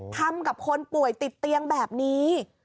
ทำกับคนป่วยติดเตียงแบบนี้